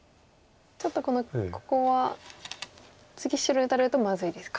ちょっとここは次白に打たれるとまずいですか。